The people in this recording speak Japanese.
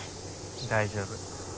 大丈夫。